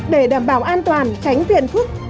để đảm bảo an toàn tránh tiền phức